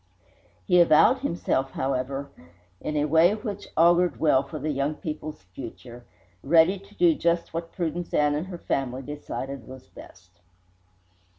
He avowed himself, however, in a way which augured well for the young people's future, ready to do just what Prudence Ann and her family decided was best.